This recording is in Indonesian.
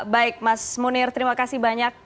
baik mas munir terima kasih banyak